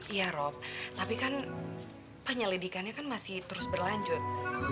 iya rob tapi kan penyelidikannya kan masih terus berlanjut